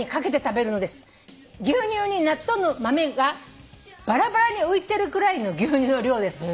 「牛乳に納豆の豆がバラバラに浮いてるくらいの牛乳の量です。